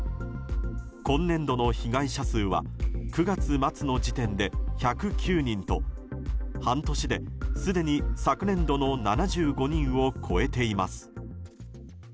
今年度の被害者数は９月末の時点で１０９人と半年で、すでに昨年度の７５人を超えています。